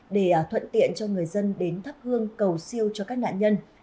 để thuận tiện cho người dân đến thắp hương cầu siêu cho các nạn nhân